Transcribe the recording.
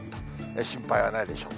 心配はないでしょう。